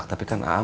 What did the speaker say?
tapi kan agah